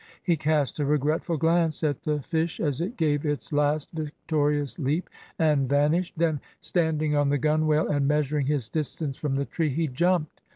He cast a regretful glance at the fish as it gave its last victorious leap and vanished. Then, standing on the gunwale and measuring his distance from the tree, he jumped.